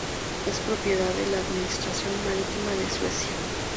Es propiedad de la Administración Marítima de Suecia.